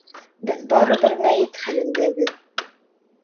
— Беҙ барыбер мәйет хәлендәбеҙ.